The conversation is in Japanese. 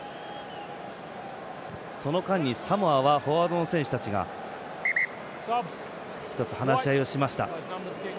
その間にサモアはフォワードの選手たちが一つ話し合いをしました。